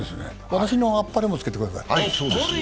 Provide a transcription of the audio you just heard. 私のあっぱれもつけてください。